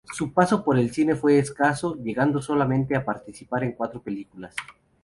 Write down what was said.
Su paso por el cine fue escaso, llegando solamente a participar en cuatro películas.